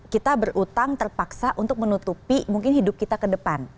kita berutang terpaksa untuk menutupi mungkin hidup kita ke depan